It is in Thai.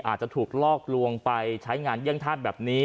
อาจจะถูกลอกลวงไปใช้งานเยี่ยงธาตุแบบนี้